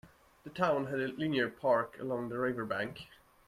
The town had a linear park along the riverbank.